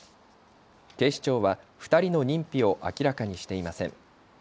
警視庁は２人の認否を明らかにしていません。